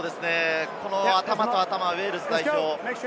頭と頭、ウェールズ代表。